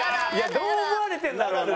どう思われてるんだろうな。